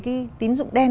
cái tín dụng đen